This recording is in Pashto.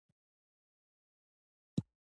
ازادي راډیو د هنر په اړه د هر اړخیزو مسایلو پوښښ کړی.